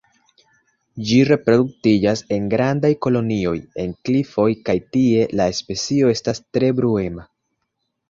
Ĝi reproduktiĝas en grandaj kolonioj en klifoj kaj tie la specio estas tre bruema.